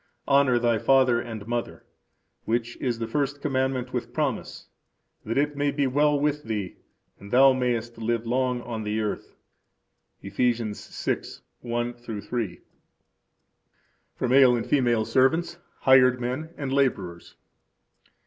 Honor thy father and mother; which is the first commandment with promise: that it may be well with thee, and thou mayest live long on the earth. Eph. 6:1 3. For Male and Female Servants, Hired Men, and Laborers.